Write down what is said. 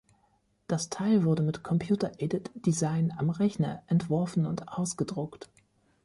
Das Teil wurde mit "Computer aided design" am Rechner entworfen und ausgedruckt.